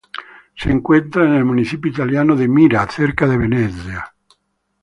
Se encuentra en el municipio italiano de Mira, cerca de Venecia.